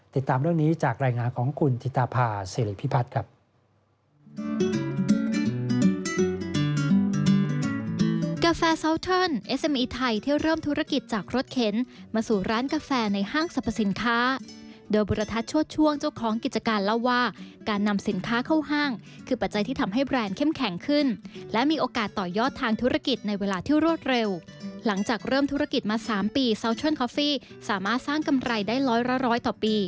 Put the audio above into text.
ติดตามเรื่องนี้จากรายงานของคุณธิตาภาษิริพิพัฒน์ครับ